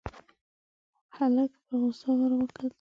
هلک په غوسه ور وکتل.